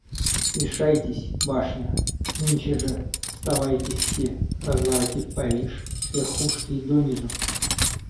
Решайтесь, башня, — нынче же вставайте все, разворотив Париж с верхушки и до низу!